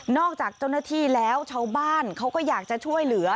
จากเจ้าหน้าที่แล้วชาวบ้านเขาก็อยากจะช่วยเหลือ